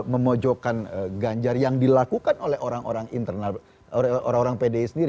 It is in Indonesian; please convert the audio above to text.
memojokkan ganjar yang dilakukan oleh orang orang internal orang orang pdi sendiri